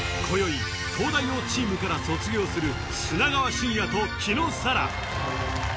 今宵東大王チームから卒業する砂川信哉と紀野紗良